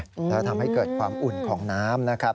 แล้วทำให้เกิดความอุ่นของน้ำนะครับ